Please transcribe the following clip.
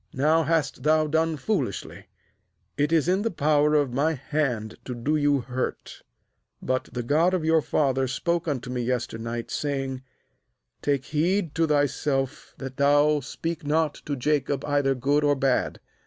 now hast thou done foolishly. 29It is in the power of my hand to do you hurt; but the God of your father spoke unto me yester night, saying: Take heed to thyself that thou speak not to Jacob either good or bad.